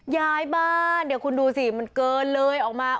ย้ายบ้านเดี๋ยวคุณดูสิมันเกินเลยออกมา